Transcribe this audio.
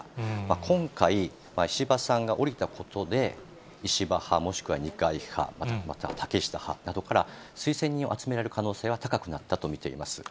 今回、石破さんが降りたことで、石破派もしくは二階派、または竹下派などから、推薦人を集められる可能性は高くなったと見ています。